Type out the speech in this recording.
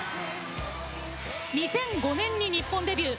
２００５年に日本デビュー。